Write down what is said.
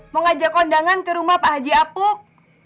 mengajak kondangan ke rumah pak haji apuk